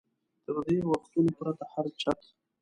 تر دې وختونو پرته هر چت.